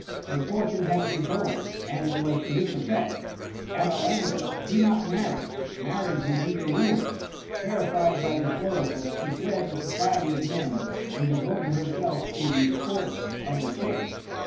Her fortune had been told, and it was to this effect: "Atalanta, do not marry; marriage will be your ruin." Terrified by this oracle, she fled the society of men, and devoted herself to the sports of the chase.